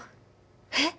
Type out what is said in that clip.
えっ！